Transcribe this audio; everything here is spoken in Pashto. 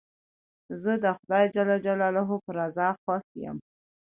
زه د خدای جل جلاله په رضا خوښ یم.